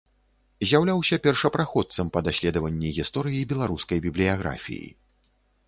З'яўляўся першапраходцам па даследаванні гісторыі беларускай бібліяграфіі.